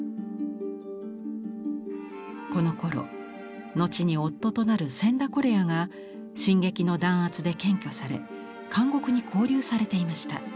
このころ後に夫となる千田是也が新劇の弾圧で検挙され監獄にこう留されていました。